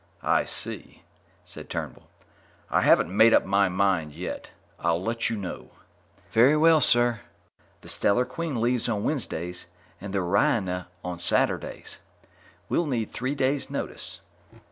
"I see," said Turnbull. "I haven't made up my mind yet. I'll let you know." "Very well, sir. The Stellar Queen leaves on Wednesdays and the Oriona on Saturdays. We'll need three days' notice."